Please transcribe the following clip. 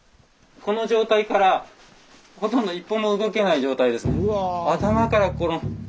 この状態からほとんど一歩も動けない状態ですね。